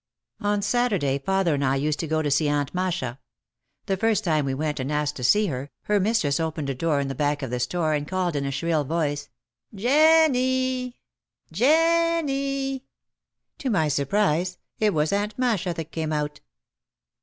On Saturday father and I used to go to see Aunt Masha. The first time we went and asked to see her, her mistress opened a door in the back of the store and called in a shrill voice, "Jen nie —, Jennie." To my sur prise it was Aunt Masha that came out.